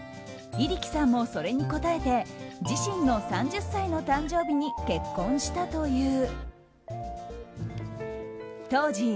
入来さんもそれに応えて自身の３０歳の誕生日に結婚したという。